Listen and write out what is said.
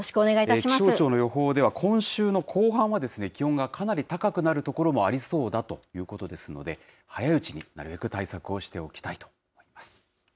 気象庁の予報では、今週の後半は気温がかなり高くなる所もありそうだということですので、早いうちになるべく対策をしておきたいと思います。